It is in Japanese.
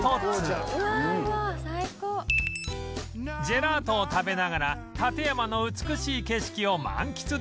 ジェラートを食べながら館山の美しい景色を満喫できるこのお店